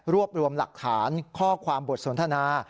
รวมรวมหลักฐานข้อความบทสนทนา